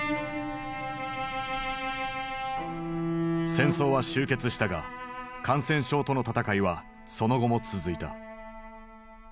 戦争は終結したが感染症との闘いはその後も続いた。